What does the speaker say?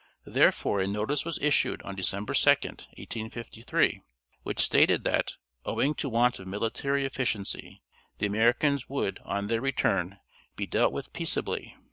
Therefore a notice was issued on December 2, 1853, which stated that "owing to want of military efficiency, the Americans would, on their return, be dealt with peaceably."